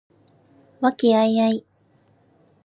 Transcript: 和気藹々